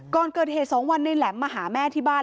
ก่อนเกิดเหตุ๒วันในแหลมมาหาแม่ที่บ้าน